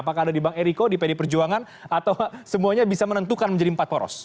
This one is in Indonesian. apakah ada di bang eriko di pd perjuangan atau semuanya bisa menentukan menjadi empat poros